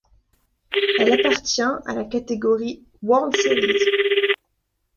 Elle appartient à la catégorie World Series.